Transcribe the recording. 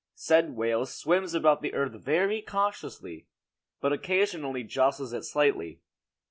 Said whale swims about the earth very cautiously, but occasionally jostles it slightly.